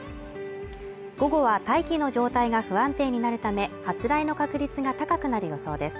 午後は大気の状態が不安定になるため、発雷の確率が高くなる予想です。